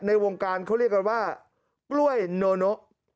ในวงการเขาเรียกกันว่ากล้วยโน